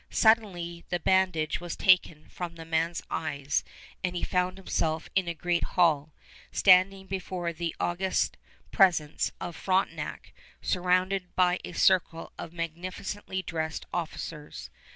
Suddenly the bandage was taken from the man's eyes and he found himself in a great hall, standing before the august presence of Frontenac, surrounded by a circle of magnificently dressed officers.